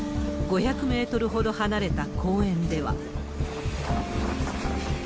５００メートルほど離れた公園では。